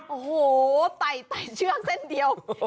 โอ้โหไต่เชือกเส้นเดียว